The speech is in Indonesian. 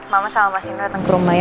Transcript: mama sama mas indra datang ke rumah ya